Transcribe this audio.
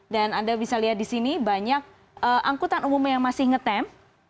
dan anda bisa lihat di sini banyak angkutan umum yang masih ngetem